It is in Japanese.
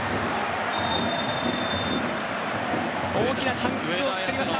大きなチャンスを作りました。